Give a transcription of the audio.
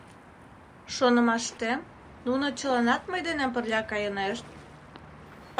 Шонымаштем, нуно чыланат мый денем пырля кайынешт?